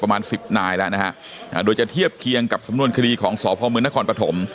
ประมาณสิบนายแล้วนะฮะโดยจะเทียบเคียงกับสำนวนคดีของสพมนครปฐม